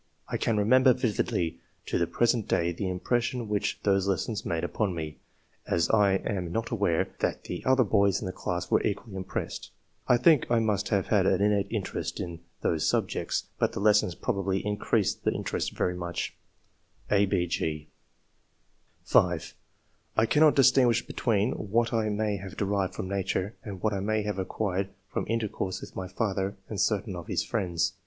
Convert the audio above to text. I can remember vividly to the present day the impression which those lessons made upon me. As I am not aware that the other boys in the class were equally impressed, I think I must have had an innate interest in those subjects ; but the lessons probably increased the interest very much," (a, 6, gr) (5) I cannot distinguish between what I may have derived from nature and what I may have acquired from intercourse with my father and certain of his friends.